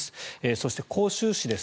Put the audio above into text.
そして、広州市です。